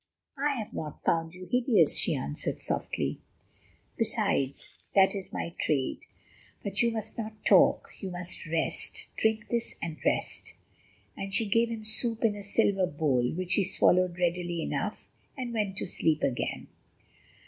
"I have not found you hideous," she answered softly; "besides, that is my trade. But you must not talk, you must rest. Drink this, and rest," and she gave him soup in a silver bowl, which he swallowed readily enough, and went to sleep again.